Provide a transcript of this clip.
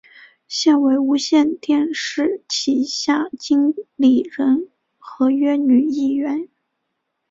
现为无线电视旗下经理人合约女艺员。